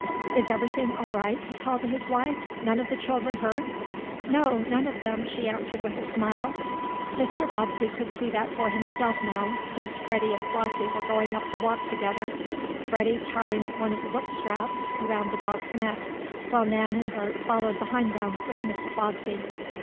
"Is everything all right?" he called to his wife. "None of the children hurt?" "No, none of them," she answered with a smile. Mr. Bobbsey could see that for himself now, since Freddie and Flossie were going up the walk together, Freddie tying one of the book straps around the dog's neck, while Nan and Bert followed behind them, with Mrs. Bobbsey.